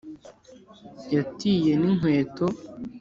yatiye n’inkweto